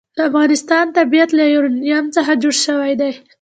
د افغانستان طبیعت له یورانیم څخه جوړ شوی دی.